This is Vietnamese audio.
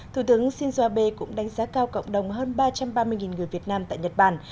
thủ tướng shinzo abe cũng đánh giá cao cộng đồng hơn ba trăm ba mươi người việt nam tại nhật bản